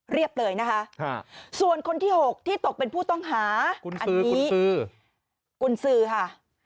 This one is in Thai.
เรียบเลยนะคะค่ะส่วนคนที่หกที่ตกเป็นผู้ต้องหาอันนี้คุณซือค่ะ